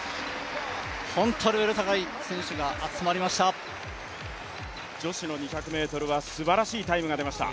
本当にレベルの高い選手が集まりました。